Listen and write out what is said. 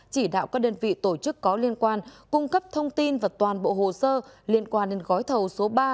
chỉ đạo các đơn vị tổ chức có liên quan cung cấp thông tin và toàn bộ hồ sơ liên quan đến gói thầu số ba